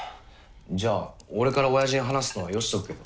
じゃあ俺からオヤジに話すのはよしとくよ。